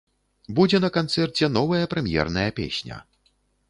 Будзе на канцэрце новая прэм'ерная песня.